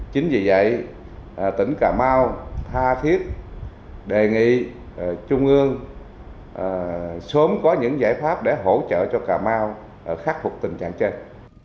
chính vì vậy tỉnh cà mau tha thiết đề nghị trung ương sớm có những giải pháp để hỗ trợ cho cà mau khắc phục tình trạng trên